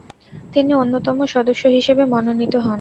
তিনি অন্যতম সদস্য হিসেবে মনোনীত হন।